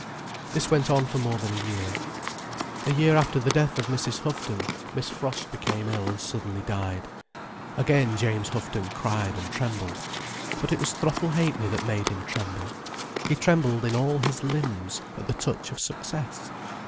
This went on for more than a year. A year after the death of Mrs. Houghton, Miss Frost became ill and suddenly died. Again James Houghton cried and trembled. But it was Throttle Ha'penny that made him tremble. He trembled in all his limbs, at the touch of success.